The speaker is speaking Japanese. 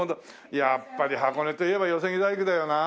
やっぱり箱根といえば寄木細工だよな。